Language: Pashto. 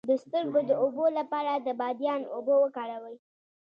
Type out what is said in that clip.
د سترګو د اوبو لپاره د بادیان اوبه وکاروئ